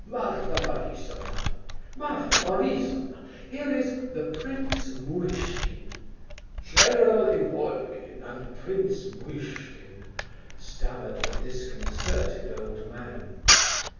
"Marfa Borisovna! Marfa Borisovna! Here is... the Prince Muishkin! General Ivolgin and Prince Muishkin," stammered the disconcerted old man.